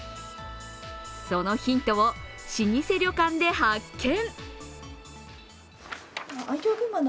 そのヒントを老舗旅館で発見。